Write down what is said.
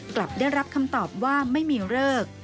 กลับได้รับคำตอบว่าไม่มีเลิก